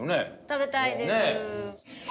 食べたいです。